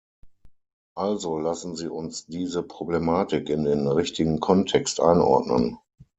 Also lassen Sie uns diese Problematik in den richtigen Kontext einordnen.